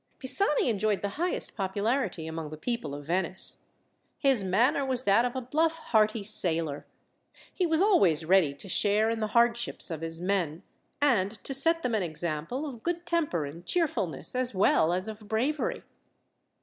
Pisani enjoyed the highest popularity among the people of Venice. His manner was that of a bluff hearty sailor. He was always ready to share in the hardships of his men, and to set them an example of good temper and cheerfulness, as well as of bravery.